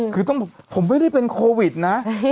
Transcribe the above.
คือผมไม่ได้เป็นโควิดนะ